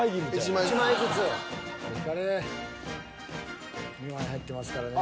２枚入ってますからね。